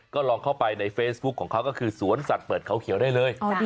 ก็ลองเข้าไปในเฟซบุ๊คของเขาก็คือสวนสัตว์เปิดเขาเขียวได้เลย